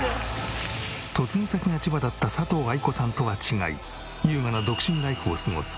嫁ぎ先が千葉だった佐藤藍子さんとは違い優雅な独身ライフを過ごす